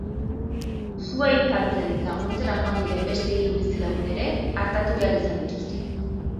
Sua itzaltzen laguntzera joan diren beste hiru bizilagun ere artatu behar izan dituzte.